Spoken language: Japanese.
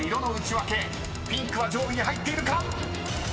［ピンクは上位に入っているか⁉］